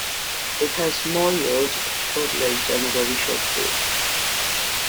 It has small ears, short legs and a very short tail.